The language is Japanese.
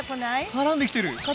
からんできてる！